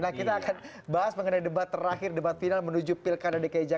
nah kita akan bahas mengenai debat terakhir debat final menuju pilkada dki jakarta